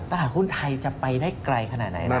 ตลาดหุ้นไทยจะไปได้ไกลขนาดไหนนะ